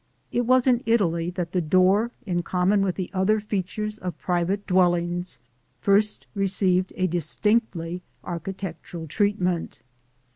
It was in Italy that the door, in common with the other features of private dwellings, first received a distinctly architectural treatment.